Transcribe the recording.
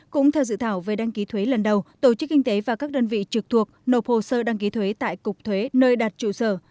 cũng theo dự thảo về đăng ký thuế lần đầu tổ chức kinh tế và các đơn vị trực thuộc nộp hồ sơ đăng ký thuế tại cục thuế nơi đặt trụ sở